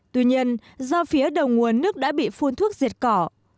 tuy nhiên do phía đầu nguồn nước đã bị phun thuốc diệt cỏ